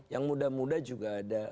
yang muda muda juga ada